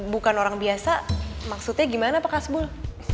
bukan orang biasa maksudnya gimana pak kasbul